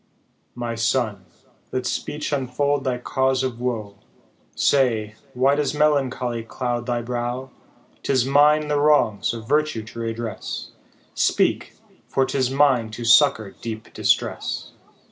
" My son, let speech unfold thy cause of woe, Say, why does melancholy cloud thy brow ? 'Tis mine the wrongs of virtue to redress ; Speak, for 'tis mine to succour deep distress."